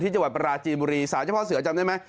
จังหวัดปราจีนบุรีสารเจ้าพ่อเสือจำได้ไหม